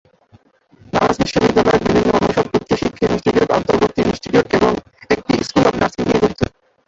দামেস্ক বিশ্ববিদ্যালয়ের বিভিন্ন অনুষদ উচ্চ শিক্ষা ইনস্টিটিউট, অন্তর্বর্তী ইনস্টিটিউট এবং একটি স্কুল অব নার্সিং নিয়ে গঠিত।